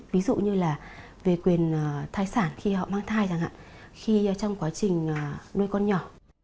ví dụ như là về quyền thai sản khi họ mang thai chẳng hạn khi trong quá trình nuôi con nhỏ